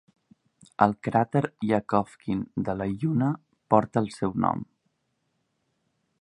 El cràter Yakovkin de la Lluna porta el seu nom.